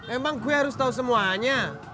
emang gue harus tahu semuanya